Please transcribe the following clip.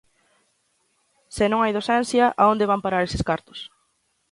Se non hai docencia, a onde van parar eses cartos?